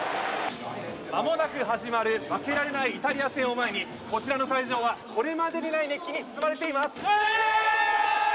間もなく始まる負けられないイタリア戦を前にこちらの会場は、これまでにない熱気に包まれています。